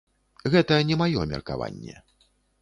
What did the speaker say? Гэта не маё меркаванне.